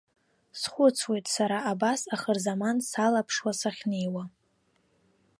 Схәыцуеит сара абас ахырзаман салаԥшуа сахьнеиуа.